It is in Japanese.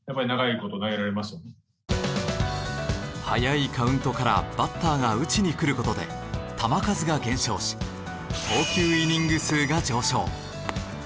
早いカウントからバッターが打ちにくる事で球数が減少し投球イニング数が上昇。